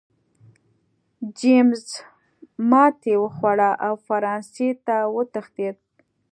جېمز ماتې وخوړه او فرانسې ته وتښتېد.